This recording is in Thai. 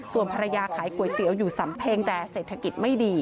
ส่วนภรรยาขายก๋วยเตี๋ยวอยู่สำเพ็งแต่เศรษฐกิจไม่ดี